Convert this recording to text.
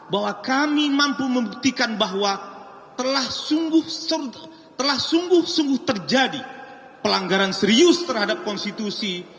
bahwa kami mampu membuktikan bahwa telah sungguh sungguh terjadi pelanggaran serius terhadap konstitusi